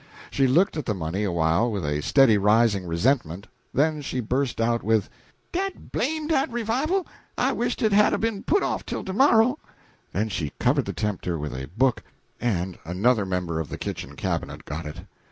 She looked at the money awhile with a steady rising resentment, then she burst out with "Dad blame dat revival, I wisht it had 'a' be'n put off till to morrow!" Then she covered the tempter with a book, and another member of the kitchen cabinet got it.